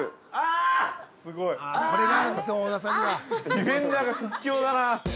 ◆ディフェンダーが、屈強だな。